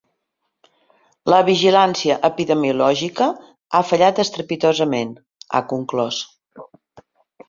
La vigilància epidemiològica ha fallat estrepitosament, ha conclòs.